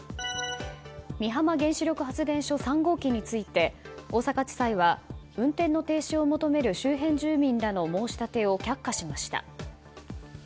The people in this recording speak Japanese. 美浜原子力発電所３号機について大阪地裁は運転の停止を求める周辺住民らの申し立てを却下しました。